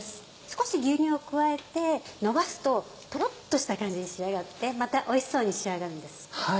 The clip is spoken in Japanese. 少し牛乳を加えてのばすととろっとした感じに仕上がってまたおいしそうに仕上がるんです。